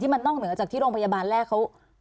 มันนอกเหนือจากที่โรงพยาบาลแรกเขา